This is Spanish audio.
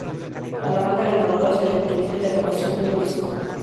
A la banda ganadora se le permite la grabación de un disco.